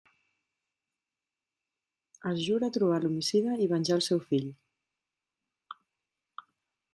Es jura trobar l'homicida i venjar el seu fill.